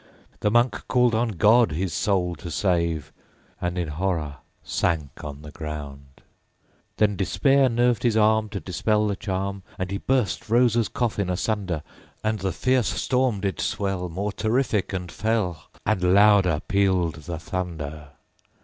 The Monk called on God his soul to save, And, in horror, sank on the ground. _75 14. Then despair nerved his arm To dispel the charm, And he burst Rosa's coffin asunder. And the fierce storm did swell More terrific and fell, _80 And louder pealed the thunder.